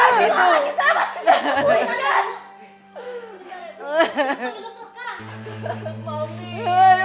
kaki aku lagi ingat